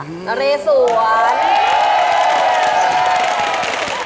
นะเรสวรรค่ะ